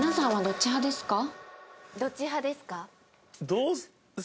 どっち派ですか？